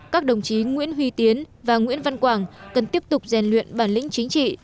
các đồng chí nguyễn huy tiến và nguyễn văn quảng cần tiếp tục rèn luyện bản lĩnh chính trị